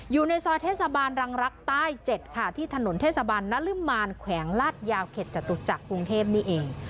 อยู่ในซอยเทศบาลรังรักใต้๗ค่ะที่ถนนเทศบาลนรึมานแขวงลาดยาวเข็ดจตุจักรกรุงเทพนี่เอง